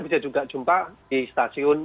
bisa juga jumpa di stasiun